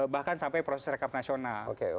bahkan sampai proses rekap nasional